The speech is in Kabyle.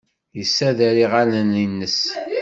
Yessader iɣallen-nnes.